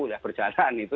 ya berjalan itu